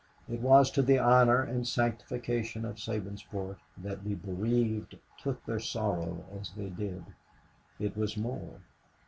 It was to the honor and the sanctification of Sabinsport that the bereaved took their sorrow as they did. It was more.